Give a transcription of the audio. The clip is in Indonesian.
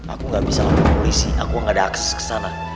aku gak bisa lapor polisi aku nggak ada akses ke sana